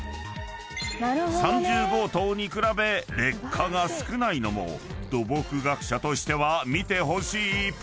［３０号棟に比べ劣化が少ないのも土木学者としては見てほしいポイント］